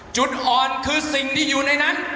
จุดอ่อนคือสิ่งที่อยู่ในนั้น